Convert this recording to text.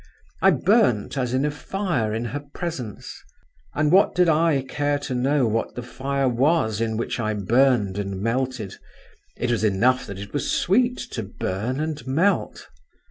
I burnt as in a fire in her presence … but what did I care to know what the fire was in which I burned and melted—it was enough that it was sweet to burn and melt.